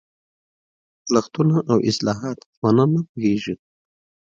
لغتونه او اصطلاحات ځوانان نه پوهېږي.